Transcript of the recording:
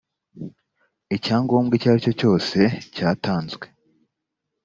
icyangombwa icyo ari cyo cyose cyatanzwe